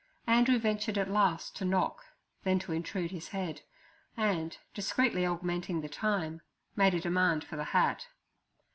Andrew ventured at last to knock, then to intrude his head, and, discreetly augmenting the time, made a demand for the hat.